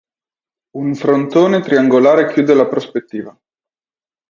Un frontone triangolare chiude la prospettiva.